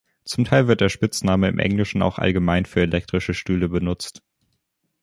Zum Teil wird der Spitzname im Englischen auch allgemein für elektrische Stühle benutzt.